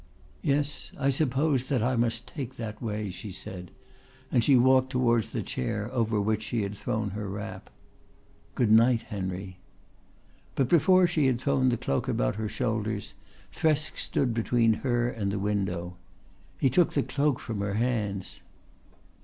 "Yes, I suppose that I must take that way," she said, and she walked towards the chair over which she had thrown her wrap. "Good night, Henry." But before she had thrown the cloak about her shoulders Thresk stood between her and the window. He took the cloak from her hands.